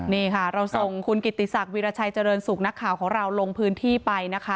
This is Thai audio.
นี่ค่ะเราส่งคุณกิติศักดิราชัยเจริญสุขนักข่าวของเราลงพื้นที่ไปนะคะ